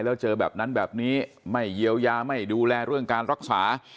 แล้วเจอแบบนั้นแบบนี้ไม่เยียวยาไม่ดูแลเรื่องการรักษา